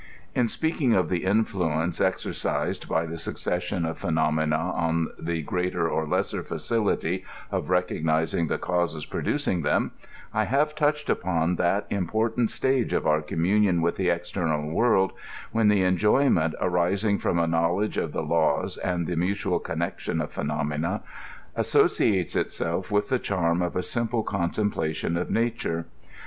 In speaking of the influence exercised by the succession of phenomena on the greater or lesser facility of recognizing the causes producing them, I have touched upon that important stage of our communion with the external World, when the en joyment arising from a knowledge of the laws, and the mutual connection of phenomena, associates itself with the charm of a simple contemplation of nature.